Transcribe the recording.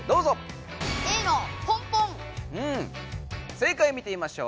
正解見てみましょう。